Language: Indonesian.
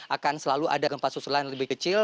akan selalu ada gempa susulan yang lebih kecil